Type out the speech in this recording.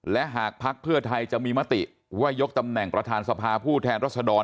และหากภักดิ์เพื่อไทยจะมีมติว่ายกตำแหน่งประธานสภาผู้แทนรัศดร